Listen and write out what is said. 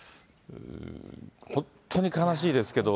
本当に悲しいですけど。